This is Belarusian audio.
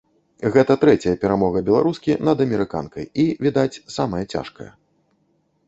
Гэта трэцяя перамога беларускі над амерыканкай і, відаць, самая цяжкая.